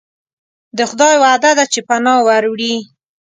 د خدای وعده ده چې پناه وروړي.